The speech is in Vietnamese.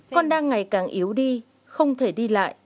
con đang ngày càng yếu đi không thể đi lại